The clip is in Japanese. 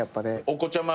お子ちゃま